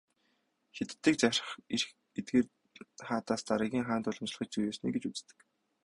Хятадыг захирах эрх эдгээр хаадаас дараагийн хаанд уламжлахыг "зүй ёсны" гэж үздэг.